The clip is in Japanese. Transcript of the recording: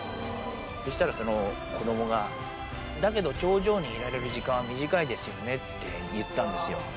そうしたら、その子どもが、だけど、頂上にいられる時間は短いですよねって言ったんですよ。